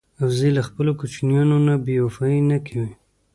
وزې له خپلو کوچنیانو نه بېوفايي نه کوي